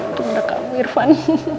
untuk mbak kamu irfan